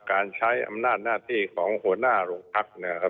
การใช้อำนาจหน้าที่ของหัวหน้าหลวงพรรค